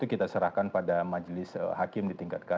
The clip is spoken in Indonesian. nanti kami tentu kita serahkan pada majlis hakim di tingkat kasasi